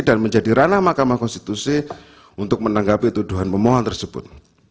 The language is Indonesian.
dan menjadi ranah mahkamah konstitusi untuk menanggapi tuduhan pemohon tersebut